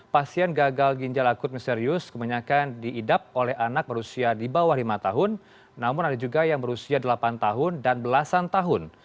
pasien gagal ginjal akut misterius kebanyakan diidap oleh anak berusia di bawah lima tahun namun ada juga yang berusia delapan tahun dan belasan tahun